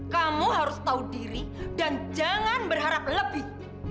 kamu harus tahu diri dan jangan berharap lebih